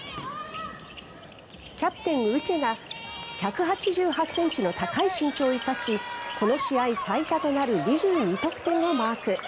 キャプテン、ウチェが１８８ｃｍの高い身長を生かしこの試合最多となる２２得点をマーク。